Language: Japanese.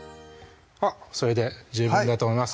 それで十分だと思います